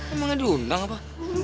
emangnya diundang apa